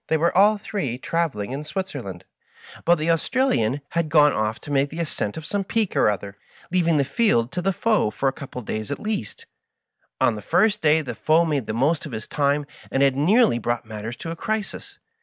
They were all three travel ing in Switzerland, but the Australian had gone off to make the ascent of some peak or other, leaving the field to the foe for a couple of days at least. On the first day the foe made the most of his time, and had nearly brought matters to a crisis.